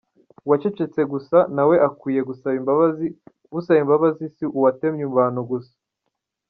Uwacecetse gusa nawe akwiye gusaba imbabazi, usaba imbabazi si uwatemye abantu gusa.”